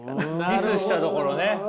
ミスしたところね。